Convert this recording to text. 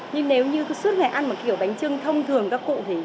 nhưng nếu như suốt ngày ăn một kiểu bánh trưng thông thường các cụ thì